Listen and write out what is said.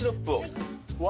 うわ。